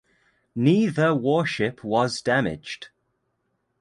Neither warship was damaged.